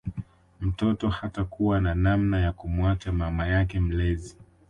Mtoto hatakuwa na namna ya kumuacha mama yake mlezi